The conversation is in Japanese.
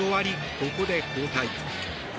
ここで交代。